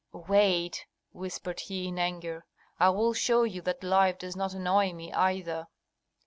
"Wait!" whispered he, in anger, "I will show you that life does not annoy me, either."